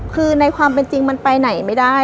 คือในความเป็นจริงมันไปไหนไม่ได้